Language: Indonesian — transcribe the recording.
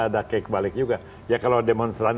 ada kek balik juga ya kalau demonstran